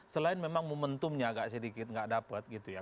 selain memang momentumnya agak sedikit nggak dapat gitu ya